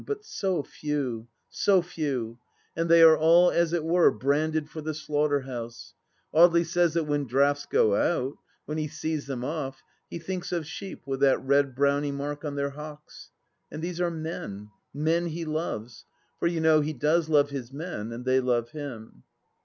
But so few, so few ! And they are all, as it were, branded for the slaughter house 1 Audely says that when drafts go out — ^when he sees them off, he thinks of sheep with that red browny mark on their hocks, ... And these are men — men he loves. ... For, you know, he does love his men and they love him.